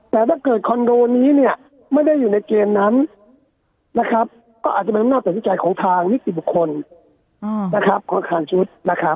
แต่ถ้าเกิดคอนโดนี้ไม่ได้อยู่ในเกณฑ์นั้นก็อาจจะเป็นอำนาจตัดสินใจของทางนิติบุคคลของอาคารชุด